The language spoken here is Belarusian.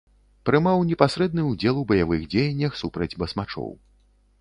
Прымаў непасрэдны ўдзел у баявых дзеяннях супраць басмачоў.